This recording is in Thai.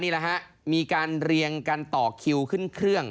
นี่แหละฮะมีการเรียงกันต่อคิวขึ้นเครื่อง